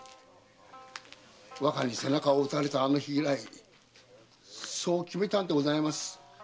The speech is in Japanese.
若に背中を打たれたあの日以来そう決めたんでございます。